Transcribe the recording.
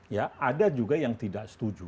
ya ada juga yang tidak setuju